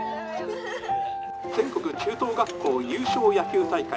「全国中等学校優勝野球大会」。